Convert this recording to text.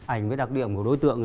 ảnh với đặc điểm của đối tượng